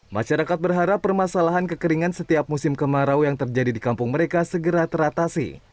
masyarakat berharap permasalahan kekeringan setiap musim kemarau yang terjadi di kampung mereka segera teratasi